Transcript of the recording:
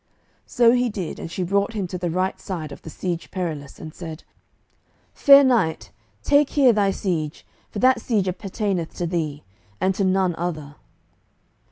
So he did, and she brought him to the right side of the Siege Perilous, and said, "Fair knight, take here thy siege, for that siege appertaineth to thee, and to none other."